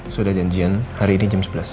sudah janjian hari ini jam sebelas